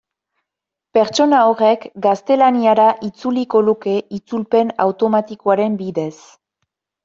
Pertsona horrek gaztelaniara itzuliko luke itzulpen automatikoaren bidez.